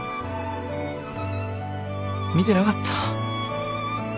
見てなかった。